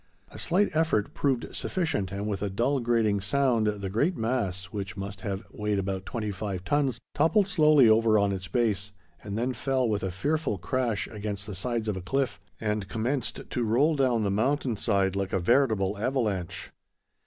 A slight effort proved sufficient, and with a dull grating sound the great mass, which must have weighed about twenty five tons, toppled slowly over on its base, and then fell with a fearful crash against the sides of the cliff, and commenced to roll down the mountain side like a veritable avalanche.